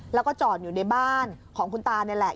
แล้วก็จอดอยู่ในบ้านของคุณตานี่แหละ